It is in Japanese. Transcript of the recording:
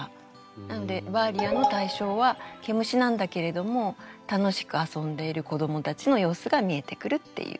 なので「バーリア」の対象は「毛虫」なんだけれども楽しく遊んでいる子どもたちの様子が見えてくるっていう。